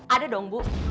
ada dong bu